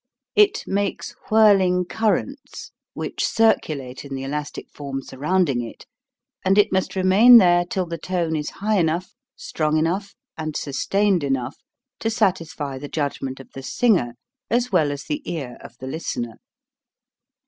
It makes whirl ing currents, which circulate in the elastic form surrounding it, and it must remain there till the tone is high enough, strong enough, and sustained enough to satisfy the judgment of the singer as well as the ear of the listener.